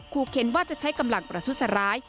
เคนว่าจะใช้กำลังประทุษร้าย